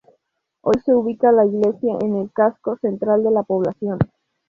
Hoy se ubica la iglesia en el casco central de la población.